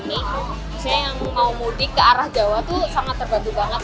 misalnya yang mau mudik ke arah jawa tuh sangat terbantu banget